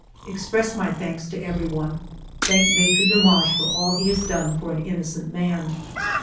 " Express my thanks to every one. Thank Maitre Demange for all he has done for an in nocent man.